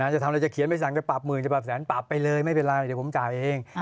จะทำอะไรจะเขียนใบสั่งจะปรับหมื่นจะปรับแสนปรับไปเลยไม่เป็นไรเดี๋ยวผมจ่ายเอง